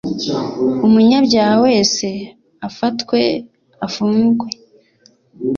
umunyabyahawese afatwe afungwe.